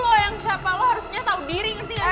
lo yang siapa lo harusnya tau diri intinya